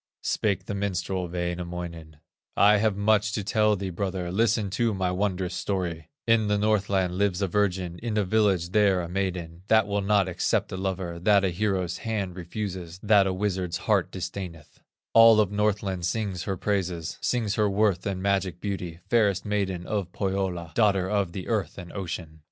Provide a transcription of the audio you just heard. Spake the minstrel, Wainamoinen: "I have much to tell thee, brother, Listen to my wondrous story: In the Northland lives a virgin, In a village there, a maiden, That will not accept a lover, That a hero's hand refuses, That a wizard's heart disdaineth; All of Northland sings her praises, Sings her worth and magic beauty, Fairest maiden of Pohyola, Daughter of the earth and ocean.